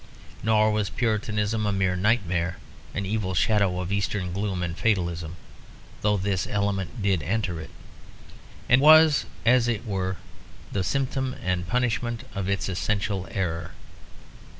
Nor was Puritanism a mere nightmare, an evil shadow of eastern gloom and fatalism, though this element did enter it, and was as it were the symptom and punishment of its essential error.